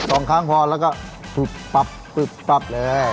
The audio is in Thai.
สองครั้งพอแล้วก็ปุ๊บปับปุ๊บปับแล้ว